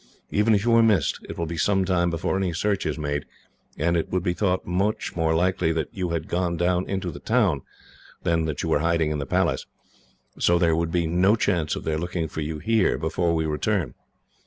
Even if you are missed, it will be some time before any search is made, and it would be thought much more likely that you had gone down into the town, than that you were hiding in the Palace, so there would be no chance of their looking for you here before we return.